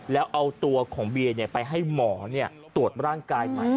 แล้วเอาตัวของเบียร์ไปให้หมอตรวจร่างกายใหม่